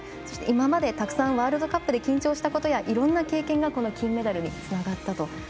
そして今までたくさんワールドカップで緊張したことやいろんな経験が金メダルにつながったと。